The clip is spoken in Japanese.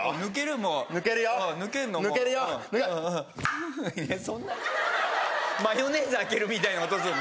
もういやそんなマヨネーズ開けるみたいな音すんの？